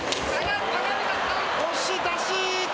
押し出し。